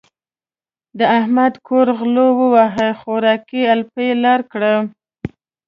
د احمد کور غلو وواهه؛ خوراکی يې الپی الا کړ.